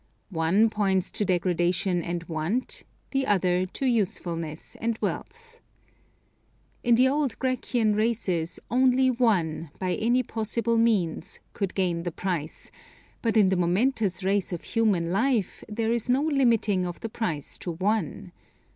One points to degradation and want, the other, to usefulness and wealth. In the old Grecian races one only, by any possible means, could gain the prize, but in the momentous race of human life there is no limiting of the prize to one.